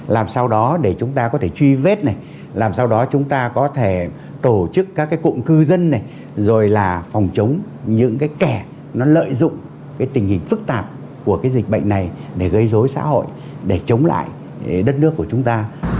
làm sao đó để chúng ta có thể truy vết làm sao đó chúng ta có thể tổ chức các cụm cư dân rồi là phòng chống những kẻ lợi dụng tình hình phức tạp của dịch bệnh này để gây dối xã hội để chống lại đất nước của chúng ta